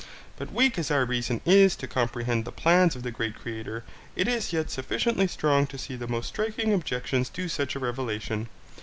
But weak as our reason is to comprehend the plans of the great Creator, it is yet sufficiently strong to see the most striking objections to such a revelation.